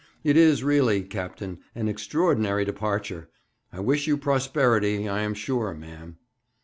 It is really, captain, an extraordinary departure! I wish you prosperity, I am sure, ma'am.'